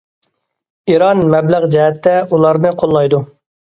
ئىران مەبلەغ جەھەتتە ئۇلارنى قوللايدۇ.